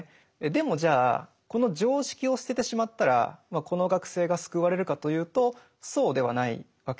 でもじゃあこの常識を捨ててしまったらこの学生が救われるかというとそうではないわけです。